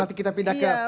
nanti kita pindah ke ruku